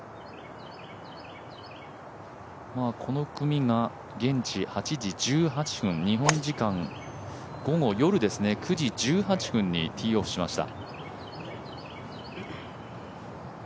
この組が現地８時１８分日本時間夜９時１８分にティーオフしました。